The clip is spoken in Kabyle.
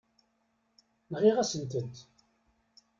Nɣiɣ-asen-tent.